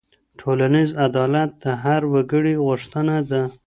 ټولنيز عدالت د هر وګړي غوښتنه ده.